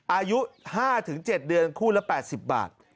อายุ๕๗เดือนคู่ละ๘๐บาท